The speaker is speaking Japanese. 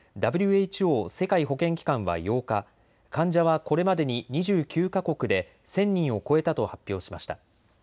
ＷＨＯ・世界保健機関は８日、患者はこれまでに２９か国で１０００人を超えたと発表しました。